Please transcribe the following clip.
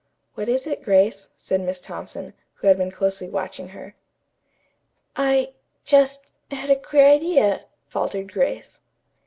"What is it, Grace?" said Miss Thompson, who had been closely watching her. "I just had a queer idea," faltered Grace.